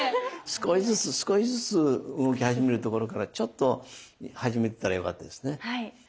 少しずつ少しずつ動き始めるところからちょっと始めてたらよかったですね。